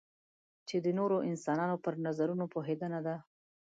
چې د نورو انسانانو پر نظرونو پوهېدنه ده.